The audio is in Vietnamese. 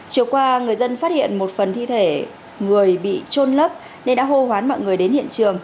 chiều qua người dân phát hiện một phần thi thể người bị trôn lấp nên đã hô hoán mọi người đến hiện trường